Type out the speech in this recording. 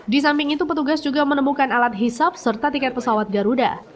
di samping itu petugas juga menemukan alat hisap serta tiket pesawat garuda